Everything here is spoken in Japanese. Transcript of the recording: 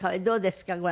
どうですか？